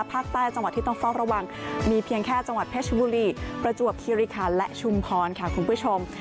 ภาคใต้จังหวัดที่ต้องเฝ้าระวังมีเพียงแค่จังหวัดเพชรบุรีประจวบคิริคันและชุมพรค่ะคุณผู้ชม